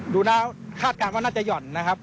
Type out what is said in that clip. ดูแล้วคาดการณ์ว่าน่าจะหย่อนนะครับ